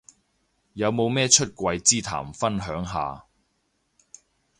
有冇咩出櫃之談分享下